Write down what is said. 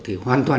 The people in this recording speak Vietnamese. thì hoàn toàn